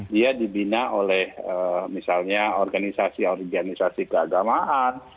dia dibina oleh misalnya organisasi organisasi keagamaan